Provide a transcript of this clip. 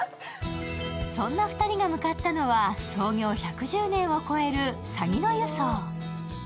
そんな２人が向かったのは創業１１０年を超えるさぎの湯荘。